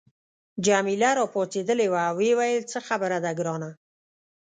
جميله راپاڅیدلې وه او ویې ویل څه خبره ده ګرانه.